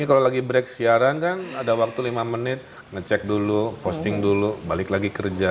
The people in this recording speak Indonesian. kalau lagi break siaran kan ada waktu lima menit ngecek dulu posting dulu balik lagi kerja